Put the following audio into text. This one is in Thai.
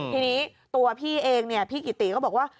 ทีนี้ตัวพี่เองเนี่ยพี่กิติก็บอกว่า